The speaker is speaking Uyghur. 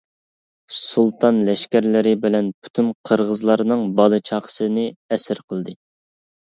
سۇلتان لەشكەرلىرى بىلەن، پۈتۈن قىرغىزلارنىڭ بالا-چاقىسىنى ئەسىر قىلدى.